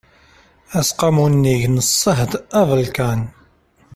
aseqqamu unnig n ṣṣehd abelkam